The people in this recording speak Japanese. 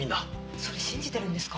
それ信じてるんですか？